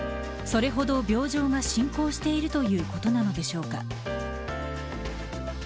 それほど病状が進行しているということなのでしょうか。